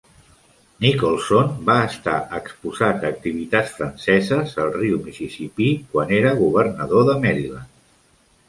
Nicholson va estar exposat a activitats franceses al Riu Mississipí quan era governador de Maryland.